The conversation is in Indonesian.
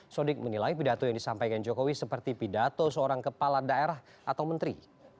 sodik menilai pidato yang disampaikan jokowi seperti pidato seorang kepala daerah atau menteri